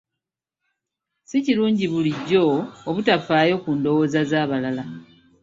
Si kirungi bulijjo obutafaayo ku ndowooza z'abalala.